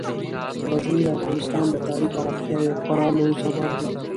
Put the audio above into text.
غزني د افغانستان د ښاري پراختیا یو خورا لوی سبب دی.